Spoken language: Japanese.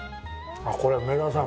あっこれ梅沢さん